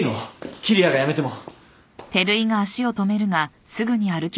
桐矢が辞めても。